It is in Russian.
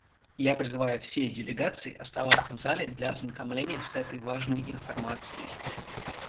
Я призываю все делегации оставаться в зале для ознакомления с этой важной информацией.